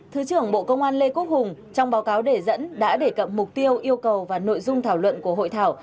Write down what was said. thứ trưởng bộ công an lê quốc hùng trong báo cáo đề dẫn đã đề cập mục tiêu yêu cầu và nội dung thảo luận của hội thảo